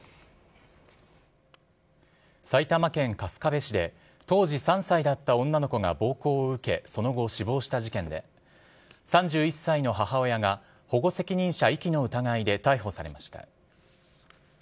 埼玉県春日部市で、当時３歳だった女の子が暴行を受け、その後死亡した事件で、３１歳の母親が保護責任者遺棄の疑いで逮捕されました。